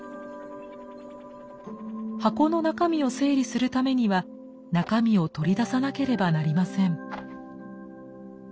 箱の中身を整理するためには中身を取り出さなければなりません。